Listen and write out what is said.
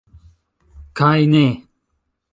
Kaj... ne!